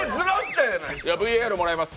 ＶＡＲもらいます。